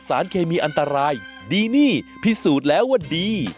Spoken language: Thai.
สวัสดีครับ